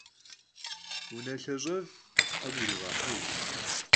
Vunelhaş'ef' them vurihejj!